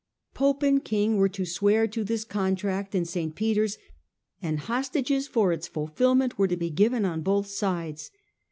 Pope and king were to swear to this contract in St. Peter's, and hostages for its fulfilment were to be given on both sides.